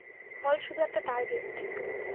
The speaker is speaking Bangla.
হল শুধু একটা টার্গেট।